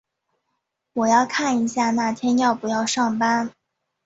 我要看一下那天要不要上班。